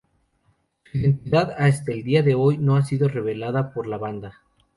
Su identidad, hasta el día de hoy, no ha sido revelada por la banda.